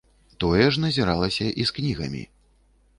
Тое ж назіралася і з кнігамі.